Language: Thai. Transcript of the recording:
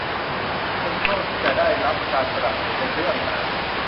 เป็นช่วงจะได้รับการสนับสนุนในเรื่องงาน